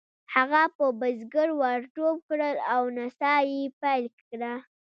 هغه په بزګر ور ټوپ کړل او نڅا یې پیل کړه.